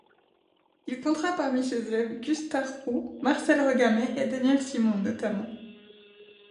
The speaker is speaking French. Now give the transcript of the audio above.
Il comptera parmi ses élèves Gustave Roud, Marcel Regamey et Daniel Simond notamment.